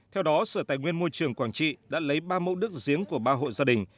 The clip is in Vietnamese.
theo đó sở tài nguyên môi trường quảng trị đã lấy ba mẫu đức giếng của ba hộ gia đình